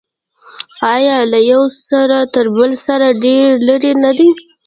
آیا له یوه سر تر بل سر ډیر لرې نه دی؟